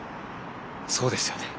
そうですよね。